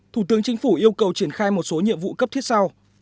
thủ tướng chính phủ yêu cầu triển khai một số nhiệm vụ cấp thiết sau